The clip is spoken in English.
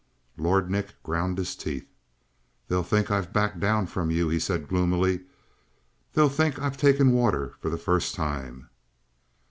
Lord Nick ground his teeth. "They'll think I've backed down from you," he said gloomily. "They'll think I've taken water for the first time."